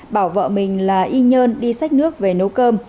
bảo vợ mình là y nhơn đi sách nước về nấu cơm